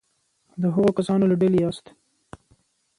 د هغو کسانو له ډلې یاست.